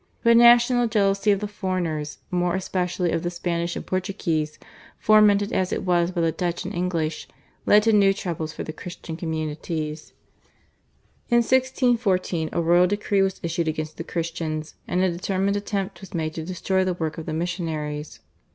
But national jealousy of the foreigners, more especially of the Spanish and Portuguese, fomented as it was by the Dutch and English, led to new troubles for the Christian communities. In 1614 a royal decree was issued against the Christians, and a determined attempt was made to destroy the work of the missionaries.